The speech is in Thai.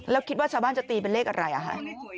แล้วคิดว่าชาวบ้านจะตีเป็นเลขอะไรอ่ะคะ